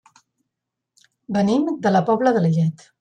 Venim de la Pobla de Lillet.